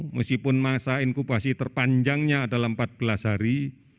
meskipun masa inkubasi terpanjangnya adalah empat belas hari